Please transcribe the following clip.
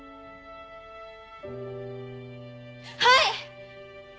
はい！